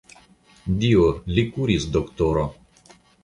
Dio li kuris, doktoro.